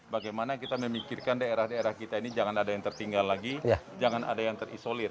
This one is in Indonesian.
bagaimana kita memikirkan daerah daerah kita ini jangan ada yang tertinggal lagi jangan ada yang terisolir